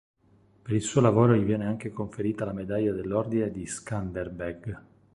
Per il suo lavoro gli viene anche conferita la medaglia dell'Ordine di Skanderbeg.